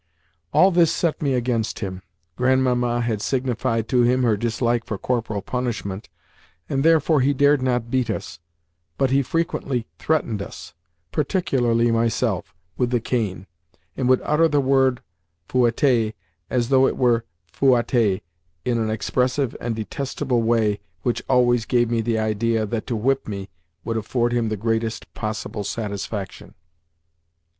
All this set me against him, Grandmamma had signified to him her dislike for corporal punishment, and therefore he dared not beat us, but he frequently threatened us, particularly myself, with the cane, and would utter the word fouetter as though it were fouatter in an expressive and detestable way which always gave me the idea that to whip me would afford him the greatest possible satisfaction.